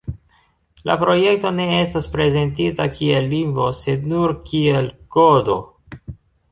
La projekto ne estas prezentita kiel lingvo, sed nur kiel "kodo".